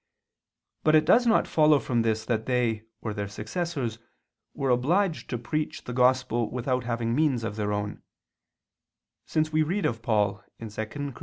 But it does not follow from this that they, or their successors, were obliged to preach the Gospel without having means of their own: since we read of Paul (2 Cor.